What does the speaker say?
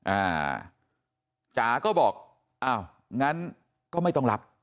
อ่าจ๋าก็บอกอ้าวงั้นก็ไม่ต้องรับ